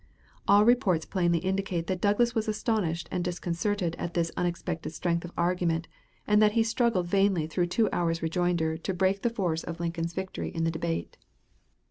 All reports plainly indicate that Douglas was astonished and disconcerted at this unexpected strength of argument, and that he struggled vainly through a two hours' rejoinder to break the force of Lincoln's victory in the debate.